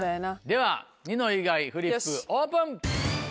ではニノ以外フリップオープン。